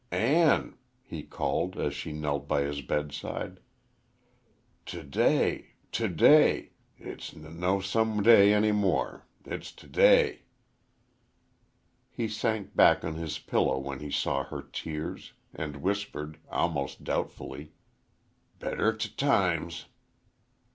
"Ann," he called, as she knelt by his bedside. "To day to day! It's n no' some day any m more. It's to day." He sank back on his pillow when he saw her tears, and whispered, almost doubtfully, "Better t times!"